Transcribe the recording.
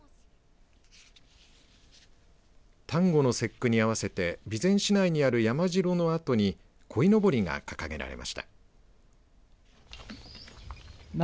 端午の節句に合わせて備前市内にある山城の跡にこいのぼりが掲げられました。